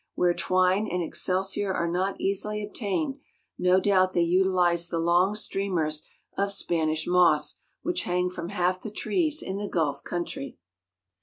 Where twine and excelsior are not easily obtained, no doubt they utilize the long streamers of Spanish moss which hang from half the trees in the gulf country.